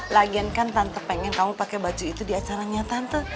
lagian kan tante pengen kamu pake baju itu di acaranya tante